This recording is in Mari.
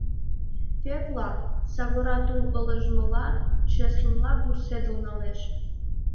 Пӧкла савора тул ылыжмыла чеслынак вурседыл налеш.